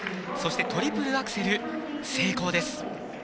そして、トリプルアクセル成功です。